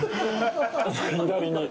左に。